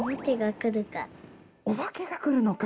おばけが来るのか。